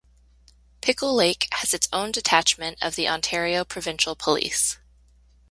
Pickle Lake has its own detachment of the Ontario Provincial Police.